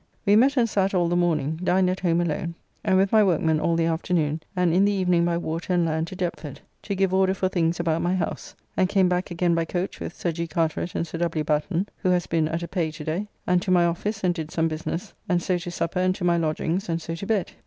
We met and sat all the morning, dined at home alone, and with my workmen all the afternoon, and in the evening by water and land to Deptford to give order for things about my house, and came back again by coach with Sir G. Carteret and Sir W. Batten (who has been at a Pay to day), and to my office and did some business, and so to supper and to my lodgings, and so to bed.